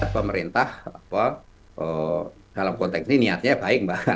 pemerintah dalam konteks ini niatnya baik mbak